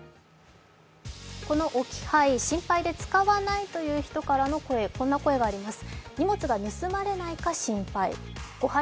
置き配、心配で使わないという人からの声、こんな声があります。